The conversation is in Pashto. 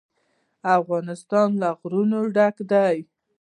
افغانستان له غرونه ډک دی.